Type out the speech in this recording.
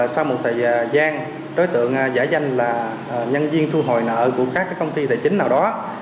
sau một thời gian đối tượng giả danh là nhân viên thu hồi nợ của các công ty tài chính nào đó